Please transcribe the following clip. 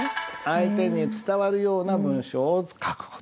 相手に伝わるような文章を書く事。